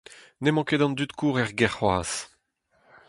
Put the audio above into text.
N'emañ ket an dud-kozh er gêr c'hoazh.